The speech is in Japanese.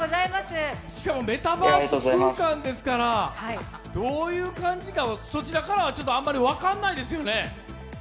しかも、メタバース空間ですから、どういう感じか、そちらからはあんまり分かんないですよね？